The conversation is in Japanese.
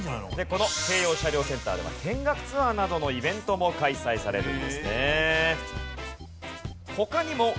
この京葉車両センターでは見学ツアーなどのイベントも開催されるんですね。